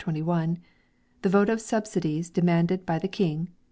21), the vote of subsidies demanded by the King (ch.